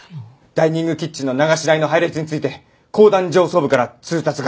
ダイニングキッチンの流し台の配列について公団上層部から通達が。